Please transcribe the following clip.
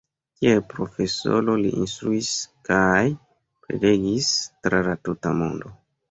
Kiel profesoro li instruis kaj prelegis tra la tuta mondo.